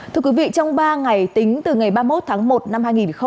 thưa quý vị trong ba ngày tính từ ngày ba mươi một tháng một năm hai nghìn hai mươi